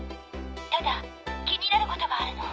ただ気になることがあるの。